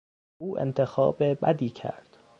او انتخاب بدی کرد.